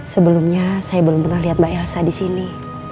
sebelumnya saya belum pernah lihat mbak elsa disini